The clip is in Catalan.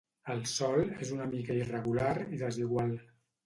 El sòl és una mica irregular i desigual.